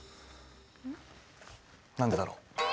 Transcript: ん？何でだろう？